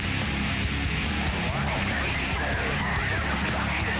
พระเจ้าหนีนี่